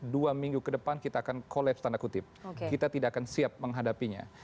dua minggu ke depan kita akan collapse tanda kutip kita tidak akan siap menghadapinya